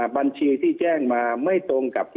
บัญชีที่แจ้งมาไม่ตรงกับ